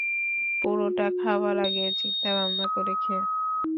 পুরোটা খাওয়ার আগে চিন্তাভাবনা করে খেয়ো।